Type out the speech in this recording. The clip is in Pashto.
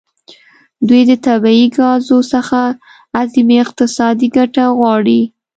دوی د طبیعي ګازو څخه اعظمي اقتصادي ګټه غواړي